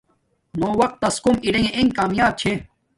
نو وقت تس کوم ارݣ انݣ کاماپ چھے